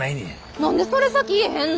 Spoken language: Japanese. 何でそれ先言えへんの！